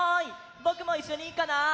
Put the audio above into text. ぼくもいっしょにいいかな？